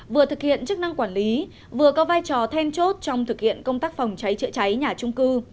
vừa thực hiện chức năng quản lý vừa có vai trò then chốt trong thực hiện công tác phòng cháy chữa cháy nhà trung cư